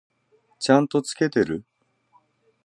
ちゃんと付けてる？